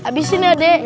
abisin ya deh